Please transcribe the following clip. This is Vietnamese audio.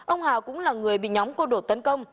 ông hào cũng là người bị nhóm cô đột tấn công